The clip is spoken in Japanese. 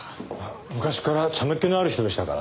昔から茶目っ気のある人でしたからね。